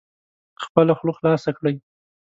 خپله خوله خلاصه کړئ